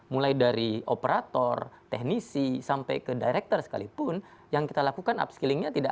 mulai dari operator teknisi sampai ke director sekalipun yang kita lakukan upskillingnya tidak